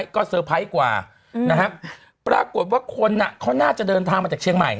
ก็กว่านะฮะปรากฏว่าคนน่ะเขาน่าจะเดินทางมาจากเชียงใหม่